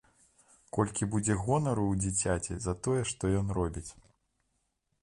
Колькі будзе гонару ў дзіцяці за тое, што ён робіць!